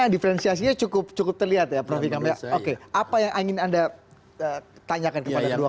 difrensiasinya cukup cukup terlihat ya profilnya oke apa yang ingin anda tanyakan kepada dua